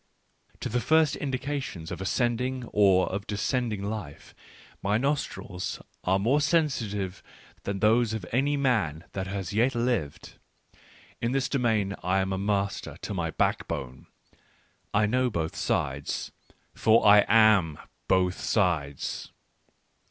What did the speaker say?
To the first in dications of ascending or of descending life my nostrils are more sensitive than those of any man that has yet lived. In this domain I am a master to my backbone — I know both sides, for I am both sides.